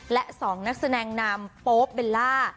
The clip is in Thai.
และ๒นักแสดงนำโป๊ปเบลล่า